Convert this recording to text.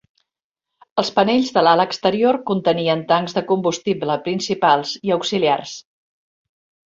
Els panells de l'ala exterior contenien tancs de combustible principals i auxiliars.